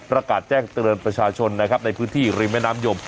ประกาศแจ้งเตือนประชาชนนะครับในพื้นที่ริมแม่น้ำยม